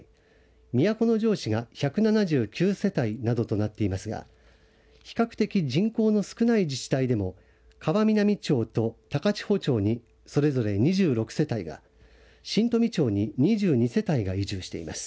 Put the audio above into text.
都城市が１７９世帯などとなっていますが比較的人口の少ない自治体でも川南町と高千穂町に、それぞれ２６世帯が新富町に２２世帯が移住しています。